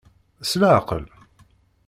S leɛqel!